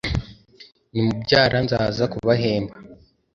ni mubyara nzaza kubahemba